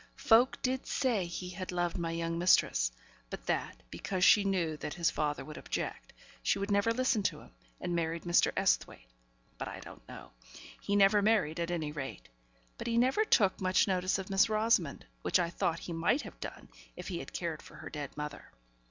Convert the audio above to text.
Folk did say he had loved my young mistress; but that, because she knew that his father would object, she would never listen to him, and married Mr. Esthwaite; but I don't know. He never married, at any rate. But he never took much notice of Miss Rosamond; which I thought he might have done if he had cared for her dead mother.